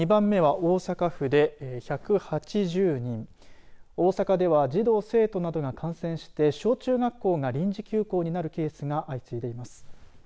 大阪では児童、生徒などが感染して小中学校が臨時休校になるケースが相次いでいます。